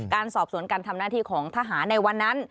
การสอบสวนการทำหน้าที่ของทหารในวันนั้น